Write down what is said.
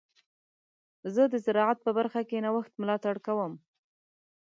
زه د زراعت په برخه کې د نوښت ملاتړ کوم.